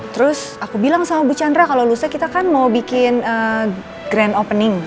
terus aku bilang sama bu chandra kalau luse kita kan mau bikin grand opening